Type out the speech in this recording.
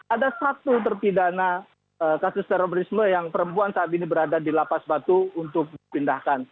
ada satu terpidana kasus terorisme yang perempuan saat ini berada di lapas batu untuk dipindahkan